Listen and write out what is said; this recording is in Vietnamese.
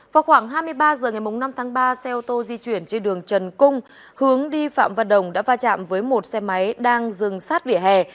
vào khoảng hai mươi ba h ngày năm tháng ba xe ô tô di chuyển trên đường trần cung hướng đi phạm văn đồng đã va chạm với một xe máy đang dừng sát vỉa hè